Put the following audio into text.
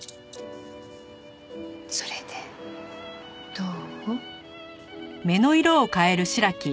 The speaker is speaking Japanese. それでどう？